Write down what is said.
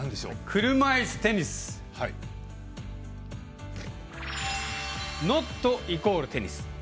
車いすテニスノットイコールテニス。